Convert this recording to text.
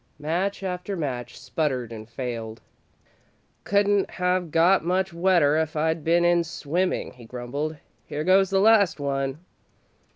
Match after match sputtered and failed. "Couldn't have got much wetter if I'd been in swimming," he grumbled. "Here goes the last one."